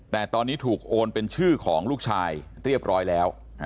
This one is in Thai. แต่ตอนนี้ถูกโอนเป็นชื่อของลูกชายเรียบร้อยแล้ว